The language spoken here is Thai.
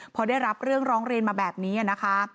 พอได้รับเรื่องร้องเรียนมาแบบนี้นะคะ